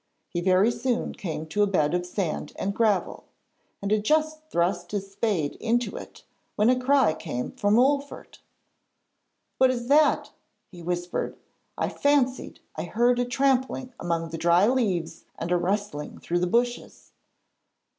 He very soon came to a bed of sand and gravel, and had just thrust his spade into it, when a cry came from Wolfert. 'What is that?' he whispered. 'I fancied I heard a trampling among the dry leaves and a rustling through the bushes.'